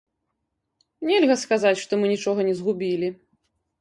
Нельга сказаць, што мы нічога не згубілі.